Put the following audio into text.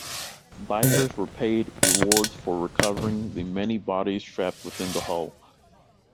Divers were paid rewards for recovering the many bodies trapped within the hull.